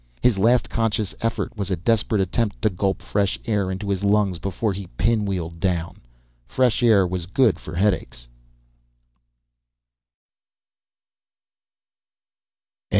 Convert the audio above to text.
His last conscious effort was a desperate attempt to gulp fresh air into his lungs before he pinwheeled down. Fresh air was good for headaches....